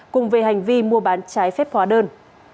cùng về hành vi mua bán trái phép hóa đơn